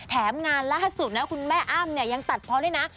งานล่าสุดนะคุณแม่อ้ำเนี่ยยังตัดเพราะด้วยนะ